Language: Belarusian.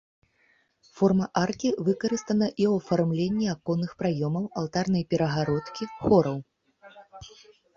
Форма аркі выкарыстана і ў афармленні аконных праёмаў, алтарнай перагародкі, хораў.